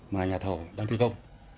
mà nhà thầu đang thi công